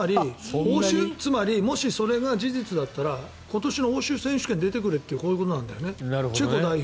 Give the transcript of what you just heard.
つまり、もしそれが事実だったら今年の欧州選手権に出てくれってそういうことなんだよね。